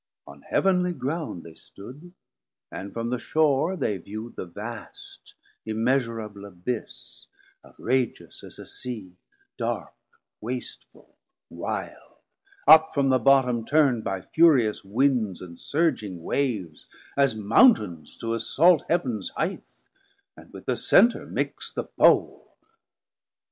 On heav'nly ground they stood, and from the shore 210 They view'd the vast immeasurable Abyss Outrageous as a Sea, dark, wasteful, wilde, Up from the bottom turn'd by furious windes And surging waves, as Mountains to assault Heav'ns highth, and with the Center mix the Pole.